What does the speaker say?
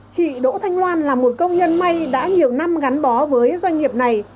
chị đỗ thanh loan là một công nhân may đã nhiều năm gắn bó với doanh nghiệp này